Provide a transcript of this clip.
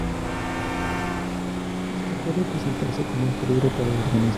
Esto puede presentarse como un peligro para el organismo.